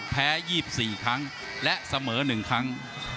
แพ้๒๔ครั้งและเสมอ๑ครั้ง